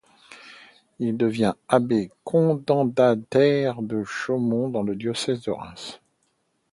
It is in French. Il devient abbé commendataire de Chaumont dans le diocèse de Reims.